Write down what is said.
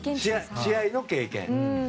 試合の経験。